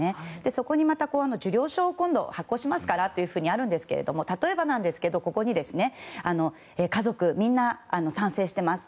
そこにまた、受領証を発行しますからとあるんですが例えばここに家族みんな賛成しています